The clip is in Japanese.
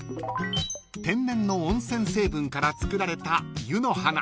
［天然の温泉成分から作られた湯の花］